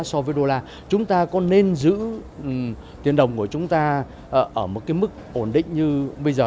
so với đô la chúng ta có nên giữ tiền đồng của chúng ta ở một cái mức ổn định như bây giờ